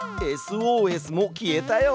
ＳＯＳも消えたよ。